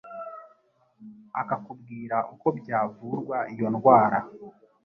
akakubwira uko byavurwa iyo ndwara